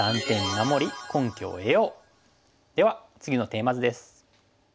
では次のテーマ図です。